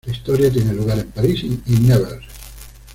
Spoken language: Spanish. La historia tiene lugar en París y Nevers.